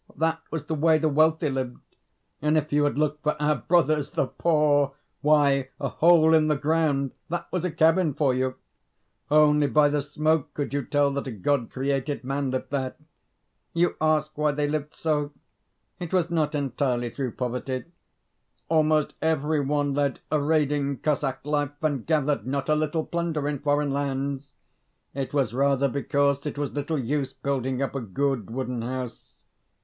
That was the way the wealthy lived: and if you had looked for our brothers, the poor why, a hole in the ground that was a cabin for you! Only by the smoke could you tell that a God created man lived there. You ask why they lived so? It was not entirely through poverty: almost every one led a raiding Cossack life, and gathered not a little plunder in foreign lands; it was rather because it was little use building up a good wooden house.